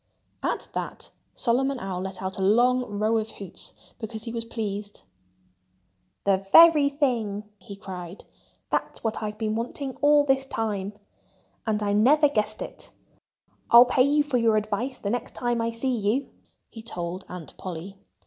At that Solomon Owl let out a long row of hoots, because he was pleased. "The very thing!" he cried. "That's what I've been wanting all this time. And I never guessed it.... I'll pay you for your advice the next time I see you," he told Aunt Polly.